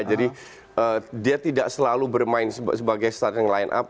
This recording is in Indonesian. jadi dia tidak selalu bermain sebagai starting line up